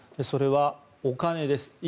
それはお金です。